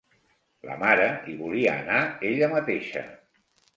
La mare hi volia anar ella mateixa.